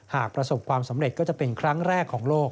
หากประสบความสำเร็จก็จะเป็นครั้งแรกของโลก